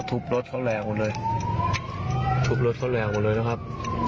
ทุบรถเขาแหวกวนเลยนะครับ